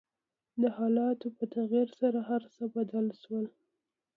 د حالاتو په تغير سره هر څه بدل شول .